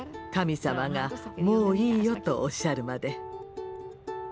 神様が「もういいよ」とおっしゃるまで。